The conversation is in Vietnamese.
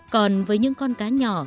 còn với những con cá nhỏ